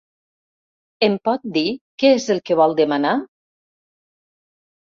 Em pot dir què és el que vol demanar?